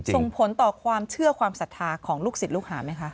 ส่งผลต่อความเชื่อความศรัทธาของลูกศิษย์ลูกหาไหมคะ